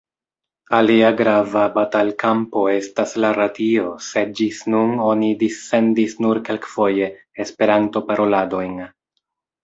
Alia grava batalkampo estas la radio, sed ĝis nun oni dissendis nur kelkfoje Esperanto-paroladojn.